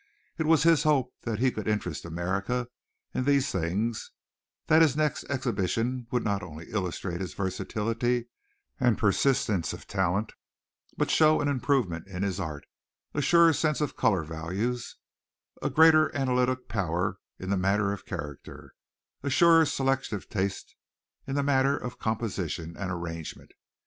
It was his hope that he could interest America in these things that his next exhibition would not only illustrate his versatility and persistence of talent, but show an improvement in his art, a surer sense of color values, a greater analytical power in the matter of character, a surer selective taste in the matter of composition and arrangement.